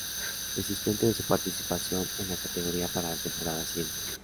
Desiste de su participación en la categoría para la temporada siguiente.